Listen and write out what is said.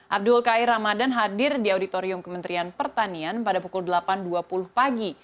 abdul qair ramadan hadir di auditorium kementerian pertanian pada pukul delapan dua puluh pagi